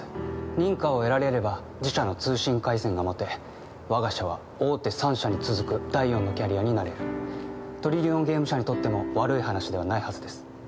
認可を得られれば自社の通信回線が持て我が社は大手３社に続く第４のキャリアになれるトリリオンゲーム社にとっても悪い話ではないはずです